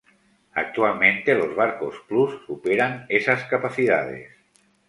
Actualmente los barcos Plus superan esas capacidades.